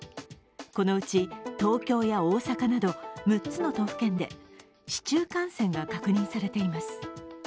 このうち東京や大阪など６つの都府県で市中感染が確認されています。